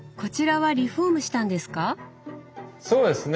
そうですね。